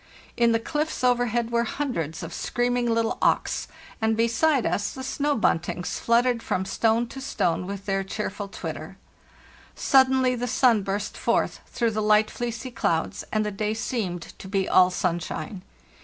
In the cliffs over head were hundreds of screaming little auks, and beside us the snow buntings fluttered from stone to stone with their cheerful twitter. Suddenly the sun burst forth through the light fleecy clouds, and the day seemed to be all sunshine.